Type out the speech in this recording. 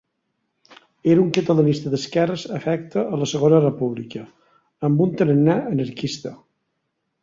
Era un catalanista d'esquerres afecte a la Segona República, amb un tarannà anarquista.